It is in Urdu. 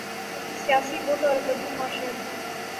کبھی سیاسی بت اور کبھی معاشرتی